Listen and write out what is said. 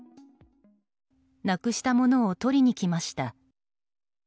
なくしたものを取りに来ました。